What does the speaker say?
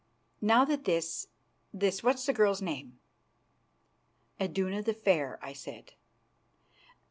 "Now that this, this what's the girl's name?" "Iduna the Fair," I said.